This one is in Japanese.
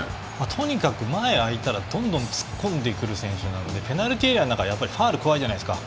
とにかく前が空いたら突っ込んでくる選手なのでペナルティーエリアの中はファウルが怖いじゃないですか。